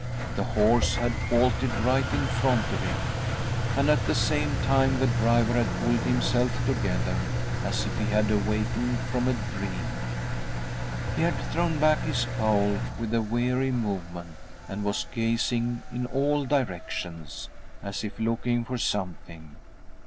The horse had halted right in front of him, and at the same time the ddver had pulled himself together, as if he had awakened from a dream. He had thrown back Hs cowl with a weary movement, and was gazing in all directions, as if looking for something.